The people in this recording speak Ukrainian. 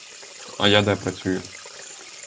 А я де працюю?